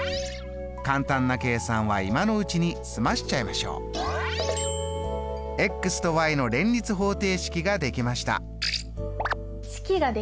簡単な計算は今のうちに済ましちゃいましょう。との連立方程式ができました。